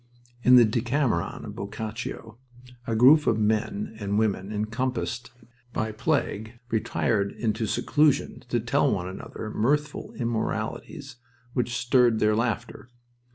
In the Decameron of Boccaccio a group of men and women encompassed by plague retired into seclusion to tell one another mirthful immoralities which stirred their laughter.